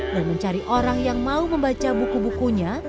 dan mencari orang yang mau membaca buku bukunya